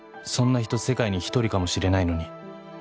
「そんな人世界に一人かもしれないのに」